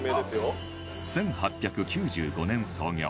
１８９５年創業